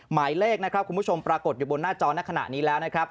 หมายเลขนะครับคุณผู้ชมปรากฏอยู่บนหน้าจอในขณะนี้แล้วนะครับ